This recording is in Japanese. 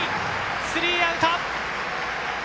スリーアウト。